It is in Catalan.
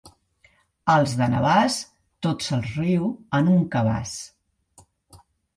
Els de Navàs, tots al riu en un cabàs.